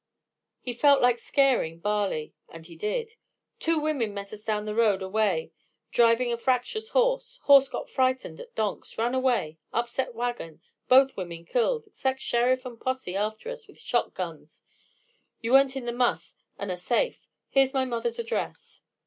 He felt like scaring Barley, and he did. "Two women met us down the road a way driving a fractious horse horse got frightened at donks ran away upset wagon both women killed expect sheriff and posse after us with shot guns. You weren't in the muss and are safe. Here's my mother's address."